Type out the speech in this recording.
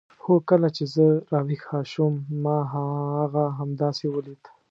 هو کله چې زه راویښه شوم ما هغه همداسې ولید.